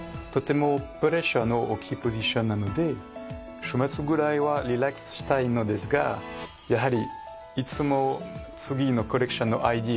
とてもプレッシャーの大きいポジションなので週末ぐらいはリラックスしたいのですがやはりいつも。